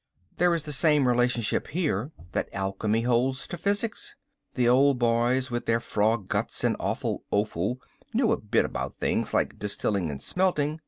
"There is the same relationship here that alchemy holds to physics. The old boys with their frog guts and awful offal knew a bit about things like distilling and smelting.